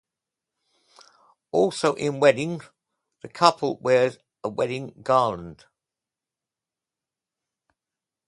Also in wedding the couple wears a wedding garland.